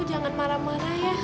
jangan marah marah ya